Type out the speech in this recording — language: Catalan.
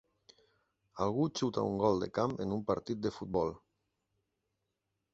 Algú xuta un gol de camp en un partit de futbol.